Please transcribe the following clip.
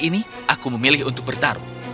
ini aku memilih untuk bertarung